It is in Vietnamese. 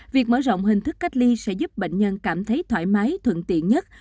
việc mở rộng hình thức cách ly sẽ giúp bệnh nhân cảm thấy thoải mái thuận tiện nhất